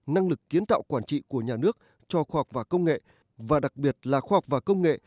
năng lực kiến tạo quản trị của nhà nước cho khoa học và công nghệ và đặc biệt là khoa học và công nghệ